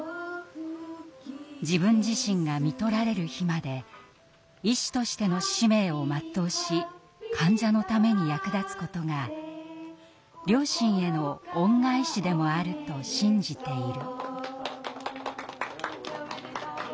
「自分自身が看取られる日まで医師としての使命を全うし患者のために役立つことが両親への恩返しでもあると信じている」。